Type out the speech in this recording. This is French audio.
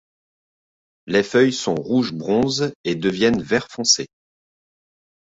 Les feuilles sont rouge bronze et deviennent vert foncé.